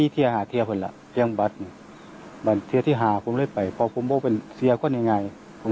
ท่านพบเน็บแผ่นนี้เข้าไปใส้เน็บแผ่นขาวหลังนะครับ